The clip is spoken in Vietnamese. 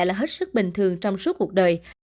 là hết sức bình thường trong suốt cuộc đời